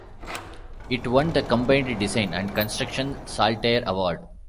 It won the combined design and construction Saltire Award.